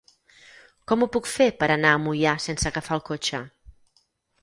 Com ho puc fer per anar a Moià sense agafar el cotxe?